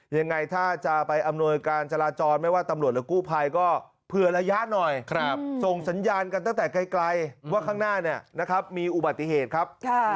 ยังไงถ้าจะไปอำนวยการจราจรไม่ว่าตำรวจหรือกู้ภัยก็เผื่อระยะหน่อยส่งสัญญาณกันตั้งแต่ไกลว่าข้างหน้ามีอุบัติเหตุครับ